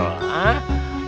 bikin malu pak dia